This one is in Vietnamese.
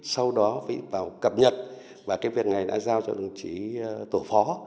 sau đó phải vào cập nhật và cái việc này đã giao cho đồng chí tổ phó